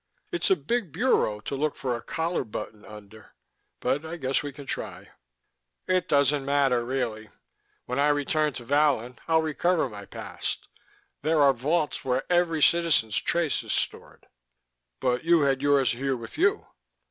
"It's a big bureau to look for a collar button under, but I guess we can try." "It doesn't matter, really. When I return to Vallon, I'll recover my past. There are vaults where every citizen's trace is stored." "But you had yours here with you."